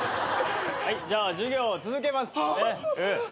はいじゃあ授業続けます。